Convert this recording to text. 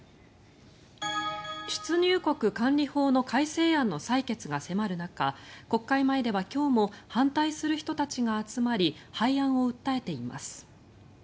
出入国管理法の改正案の採決が迫る中国会前では今日も反対する人たちが集まり廃案を訴えています。